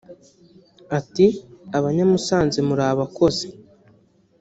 Ati “Abanyamusanze muri Abakozi